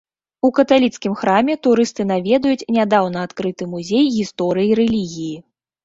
У каталіцкім храме турысты наведаюць нядаўна адкрыты музей гісторыі рэлігіі.